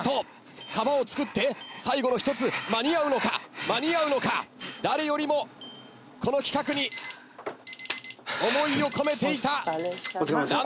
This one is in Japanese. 皮を作って最後の１つ間に合うのか⁉間に合うのか⁉誰よりもこの企画に思いを込めていた乱４８歳。